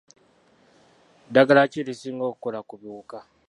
Ddagala ki erisinga okukola ku biwuka.